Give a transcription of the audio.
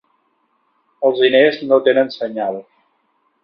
Els diners no tenen senyal.